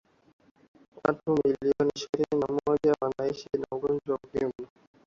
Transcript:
watu milioni ishirini na moja wanaishi na ugonjwa wa ukimwi